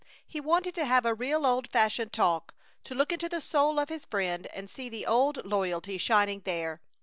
He wanted to have a real old fashioned talk; to look into the soul of his friend and see the old loyalty shining there.